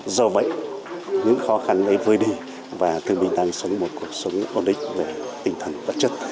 do vậy những khó khăn ấy vơi đi và thương binh đang sống một cuộc sống ổn định về tinh thần vật chất